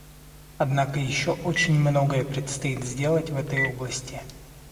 Однако еще очень многое предстоит сделать в этой области.